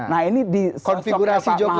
nah ini disesokkan pak maruf itu tidak cukup